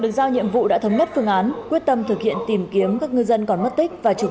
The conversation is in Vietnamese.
được giao nhiệm vụ đã thống nhất phương án quyết tâm thực hiện tìm kiếm các ngư dân còn mất tích và trục